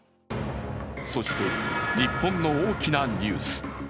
そして日本の大きなニュース。